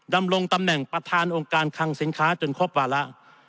ดำรงตำแหน่งประธานองค์การคังสินค้าจนครบวาระ